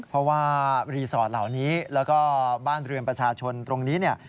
เพราะว่ารีสอร์ทเหล่านี้แล้วก็บ้านเรือนประชาชนตรงนี้เนี่ย